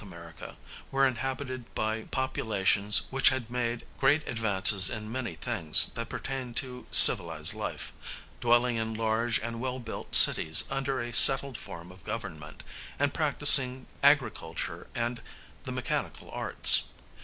America were inhabited by populations which had made great advances in many things that pertain to civilized life, dwelling in large and well built cities under a settled form of government, and practising agriculture and the mechanical arts.